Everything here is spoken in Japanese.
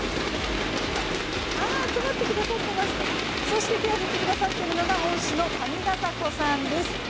そして手を振ってくださっているのが恩師の上ケ迫さんです。